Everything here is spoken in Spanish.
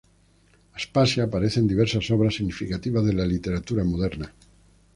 Aspasia aparece en diversas obras significativas de la literatura moderna.